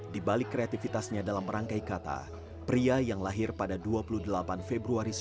di balik kreatifitasnya dalam rangkai kata pria yang lahir pada dua puluh delapan februari seribu sembilan ratus tujuh puluh tujuh ini